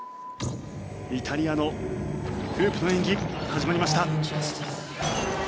イタリアのフープの演技始まりました。